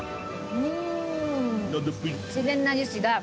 うん。